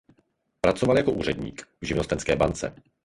Pracoval jako úředník v Živnostenské bance.